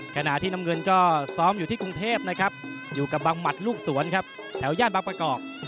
ขณะที่น้ำเงินก็ซ้อมอยู่ที่กรุงเทพนะครับอยู่กับบังหมัดลูกสวนครับแถวย่านบางประกอบ